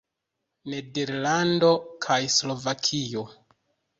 Nederlando kaj Slovakio.